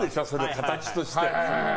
形として。